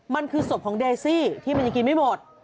มันคือศพของเดซี่ที่มันยังกินไม่หมด